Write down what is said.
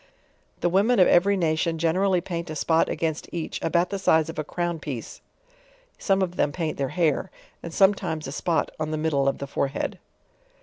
The women of every nation generally paint a spot against each about the size of a crown piece, some of them paint their hair, and sometimes a Bpot on the middle of the fore head.